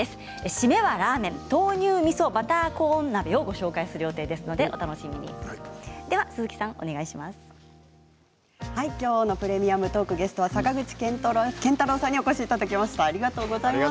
締めはラーメン豆乳みそバターコーン鍋をきょうの「プレミアムトーク」ゲストは坂口健太郎さんにお越しいただきました。